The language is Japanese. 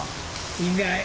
いない。